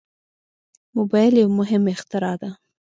موبایل یو مهم اختراع ده.